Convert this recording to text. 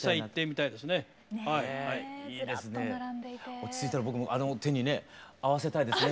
落ち着いたら僕もあの手にね合わせたいですね。